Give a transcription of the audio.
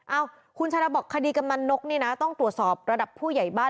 เอ้าคุณชาดาบอกคดีกำนันนกนี่นะต้องตรวจสอบระดับผู้ใหญ่บ้าน